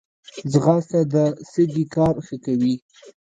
ځغاسته د سږي کار ښه کوي